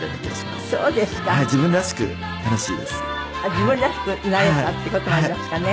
自分らしくなれたっていう事なんですかね。